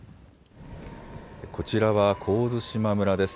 こちらは神津島村です。